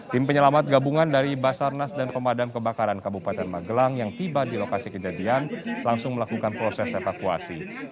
tim penyelamat gabungan dari basarnas dan pemadam kebakaran kabupaten magelang yang tiba di lokasi kejadian langsung melakukan proses evakuasi